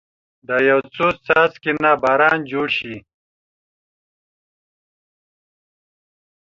دا يو يو څاڅکي نه باران جوړ شي